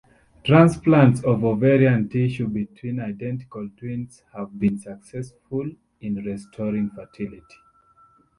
Transplants of ovarian tissue between identical twins have been successful in restoring fertility.